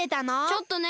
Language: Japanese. ちょっとね。